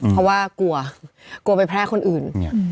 เพราะว่ากลัวกลัวไปแพร่คนอื่น